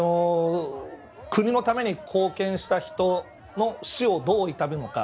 国のために貢献した人の死をどう悼むのか。